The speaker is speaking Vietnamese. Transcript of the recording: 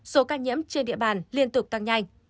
số ca nhiễm trên địa bàn liên tục tăng nhanh